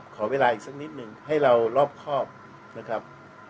ขอเวลาอีกสักนิดหนึ่งให้เรารอบครอบนะครับ